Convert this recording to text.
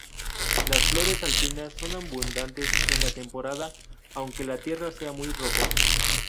Las flores alpinas son abundantes en la temporada, aunque la tierra sea muy rocosa.